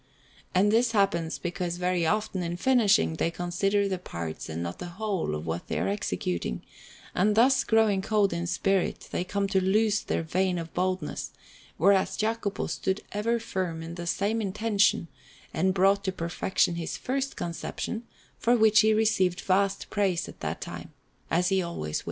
And this happens because very often, in finishing, they consider the parts and not the whole of what they are executing, and thus, growing cold in spirit, they come to lose their vein of boldness; whereas Jacopo stood ever firm in the same intention and brought to perfection his first conception, for which he received vast praise at that time, as he always will.